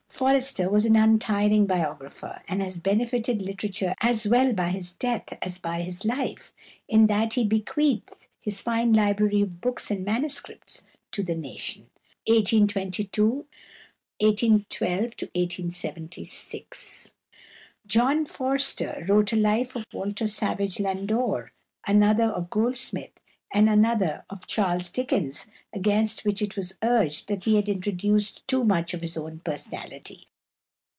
Forster was an untiring biographer, and he benefited literature as well by his death as by his life, in that he bequeathed his fine library of books and manuscripts to the nation. John Forster wrote a Life of Walter Savage Landor, another of Goldsmith, and another of Charles Dickens, against which it was urged that he had introduced too much of his own personality.